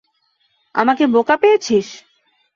আমাকে বোকা পেয়েছিস?